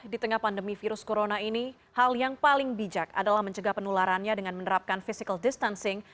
di tengah pandemi virus corona ini hal yang paling bijak adalah mencegah penularannya dengan menerapkan physical distancing